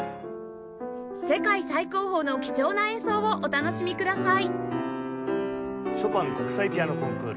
世界最高峰の貴重な演奏をお楽しみください！